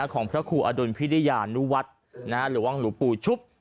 ของพระครูอดุลพิริยานุวัฒน์หรือว่าหลวงปู่ชุบ